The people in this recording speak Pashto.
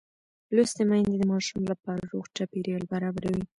لوستې میندې د ماشوم لپاره روغ چاپېریال برابروي.